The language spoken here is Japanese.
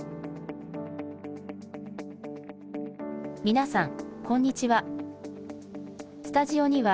皆さん、こんにちは。